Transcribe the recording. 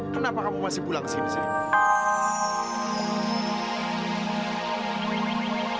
kenapa kamu masih pulang kesini sini